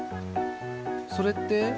それって？